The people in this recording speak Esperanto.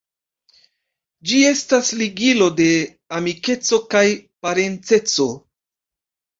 Ĝi estas ligilo de amikeco kaj parenceco.